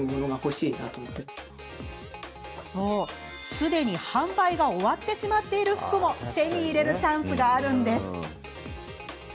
すでに販売が終わってしまっている服も手に入れるチャンスがあるんです。